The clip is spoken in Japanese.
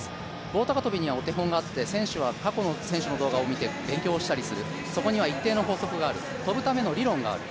棒高跳にはお手本があって、選手は過去の選手の動画を見て勉強したりする、そこには一定の法則がある、跳ぶための理論がある。